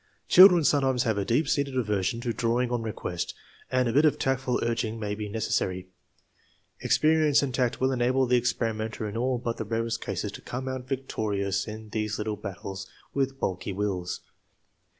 Children sometimes have a deep seated aversion to draw ing on request and a bit of tactful urging may be necessary. Experience and tact will enable the experimenter in all but the rarest cases to come out victorious in these little battles with balky wills.